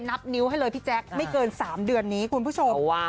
นับนิ้วให้เลยพี่แจ๊คไม่เกิน๓เดือนนี้คุณผู้ชม